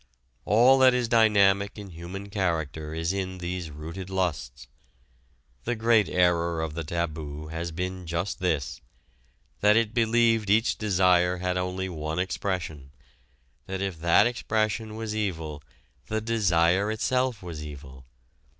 All that is dynamic in human character is in these rooted lusts. The great error of the taboo has been just this: that it believed each desire had only one expression, that if that expression was evil the desire itself was evil.